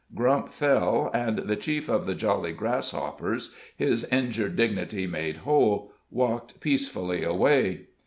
Grump fell, and the chief of the Jolly Grasshoppers, his injured dignity made whole, walked peacefully away.